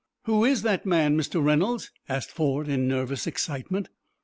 "Who is that man, Mr. Reynolds?" asked Ford, in nervous excitement.